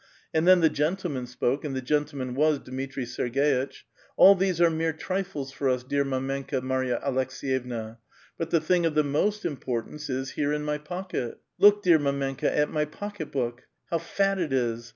" And then the gentleman siK>ke, — and the gentleman was Dmitri Serg^'itch : "All these are mere trifles for us, dear mdmenka Marya Aleks^yevna ; but the thing of the most importance is here in my pocket. Look, dear mdmenka^ at my pocket book ! How fat it is